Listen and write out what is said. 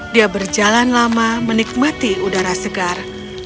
dia berjalan lama menikmati udara segar